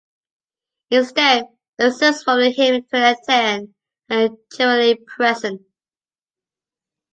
Instead, excerpts from the Hymn to the Aten are generally present.